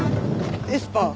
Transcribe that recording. エスパー？